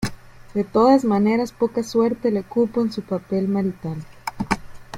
De todas maneras poca suerte le cupo en su papel marital.